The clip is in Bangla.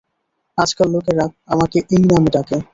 আজকাল লোকেরা আমাকে এই নামে ডাকে।